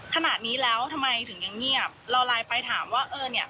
ขนาดนี้แล้วทำไมถึงยังเงียบเราไลน์ไปถามว่าเออเนี่ย